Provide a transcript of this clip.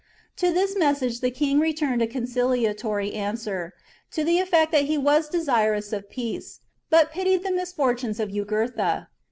To this message the king returned a con ciliatory answer, to the effect that he was desirous of peace, but pitied the misfortunes of Jugurtha.